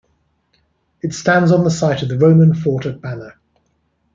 It stands on the site of the Roman fort of Banna.